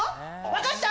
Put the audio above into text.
分かった！？